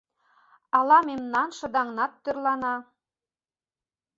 Ала мемнан шыдаҥнат тӧрлана.